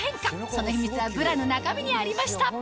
その秘密はブラの中身にありました